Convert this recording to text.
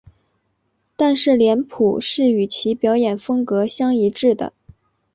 但是脸谱是与其表演风格相一致的。